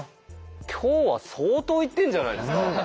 今日は相当いってるんじゃないですか。